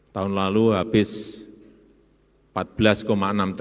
tahun lalu habis rp empat belas enam triliun